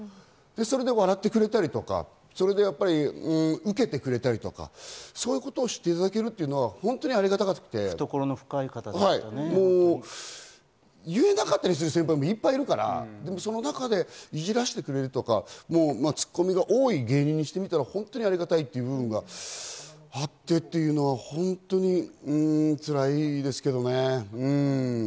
それで笑ってくれたりとか、ウケけてくれたりとか、そういうことをしていただけるというのは本当にありがたくて、言えなかったりする先輩もいっぱいいるから、その中でいじらせてくれるとか、ツッコミが多い芸人にしてみたら本当にありがたい部分があってというのは本当につらいですけどね。